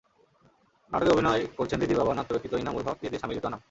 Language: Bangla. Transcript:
নাটকে অভিনয় করছেন হৃদির বাবা নাট্যব্যক্তিত্ব ইনামুল হক, হৃদির স্বামী লিটু আনাম।